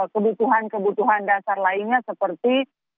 kebutuhan kebutuhan dasar lainnya seperti